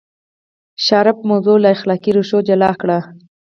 شارپ موضوع له اخلاقي ریښو جلا کړه.